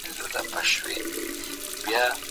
زه کولای سم نان وخورم!!